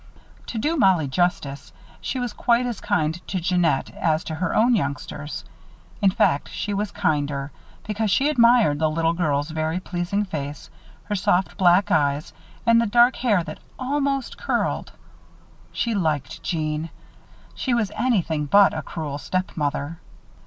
To do Mollie justice, she was quite as kind to Jeannette as to her own youngsters. In fact, she was kinder, because she admired the little girl's very pleasing face, her soft black eyes, and the dark hair that almost curled. She liked Jeanne. She was anything but a cruel stepmother.